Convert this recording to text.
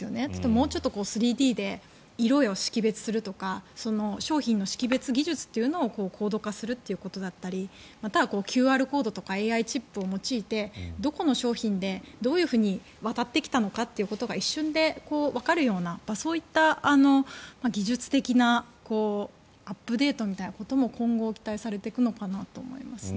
もうちょっと３Ｄで色を識別するとか商品の識別技術というのを高度化するということだったりまたはＱＲコードとかＡＩチップを用いてどこの商品でどういうふうに渡ってきたのかということが一瞬でわかるようなそういった技術的なアップデートみたいなことも今後、期待されていくのかなと思いますね。